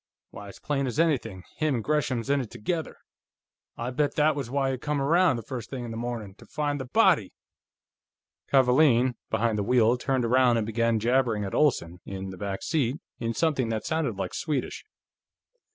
Why, it's plain as anything; him and Gresham's in it together. I bet that was why he come around, the first thing in the morning, to find the body!" Kavaalen, behind the wheel, turned around and began jabbering at Olsen, in the back seat, in something that sounded like Swedish.